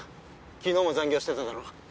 昨日も残業してただろ？